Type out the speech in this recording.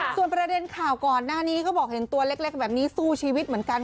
ส่วนประเด็นข่าวก่อนหน้านี้เขาบอกเห็นตัวเล็กแบบนี้สู้ชีวิตเหมือนกัน